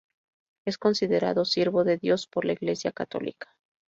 Es considerado Siervo de Dios por la Iglesia católica.